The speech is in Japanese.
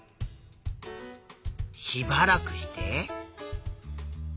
しばらくして。